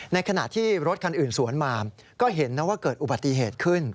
ในขณะที่รถคันอื่นสวนมาก็เห็นนะว่าเกิดอุบัติเหตุขึ้น